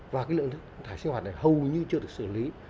và cái lượng nước thải sinh hoạt này hầu như chưa được xử lý